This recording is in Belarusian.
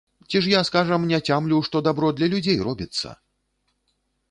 Ці ж я, скажам, не цямлю, што дабро для людзей робіцца?